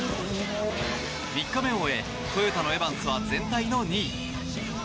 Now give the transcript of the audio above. ３日目を終えトヨタのエバンスは全体の２位。